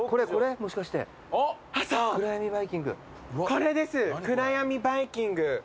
これですくらやみバイキング。